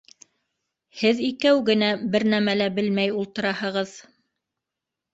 Һеҙ икәү генә бер нәмә лә белмәй ултыраһығыҙ.